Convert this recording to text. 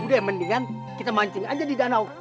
udah yang mendingan kita mancing aja di danau